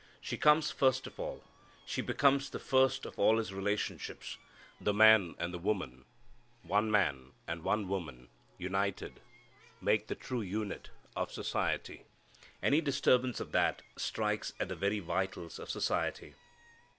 She comes first of all. She becomes the first of all his relationships. The man and the woman one man and one woman united, make the true unit of society. Any disturbance of that strikes at the very vitals of society.